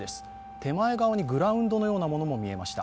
手前側にグラウンドのようなものが見えました。